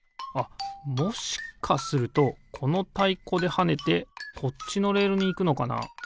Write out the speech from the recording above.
あっもしかするとこのたいこではねてこっちのレールにいくのかな？